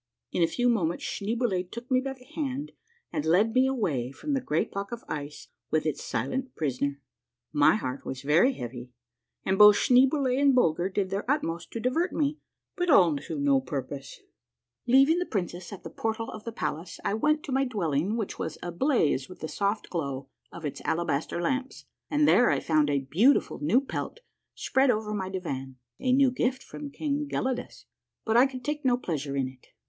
In a few moments Sclineeboule took me by the hand and led me away from the great block of ice with its silent prisoner. My heart was very heavy, and both Schneeboule and Bulger did their utmost to divert me, but all to no purpose. 170 A MARVELLOUS UNDERGROUND JOURNEY Leaving tlie princess at the portal of the palace, I went to my dwelling which was ablaze with the soft glow of its alabas ter lamps, and there I found a beautiful new pelt spread over my divan, a new gift from King Gelidus. But I could take no jdeasure in it.